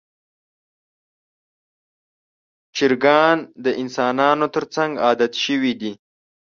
چرګان د انسانانو تر څنګ عادت شوي دي.